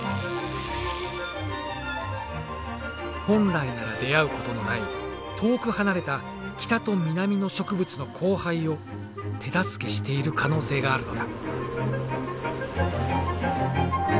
本来なら出会うことのない遠く離れた北と南の植物の交配を手助けしている可能性があるのだ。